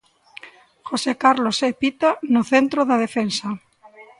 José Carlos e Pita no centro da defensa.